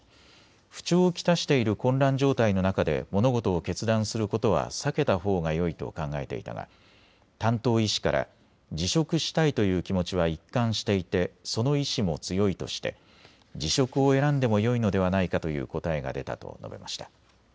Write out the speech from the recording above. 不調を来している混乱状態の中で物事を決断することは避けたほうがよいと考えていたが担当医師から辞職したいという気持ちは一貫していてその意思も強いとして辞職を選んでもよいのではないかという答えが出たと述べました。